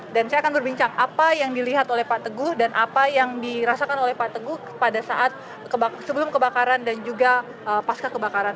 dan saya akan berbincang apa yang dilihat oleh pak teguh dan apa yang dirasakan oleh pak teguh pada saat sebelum kebakaran dan juga pasca kebakaran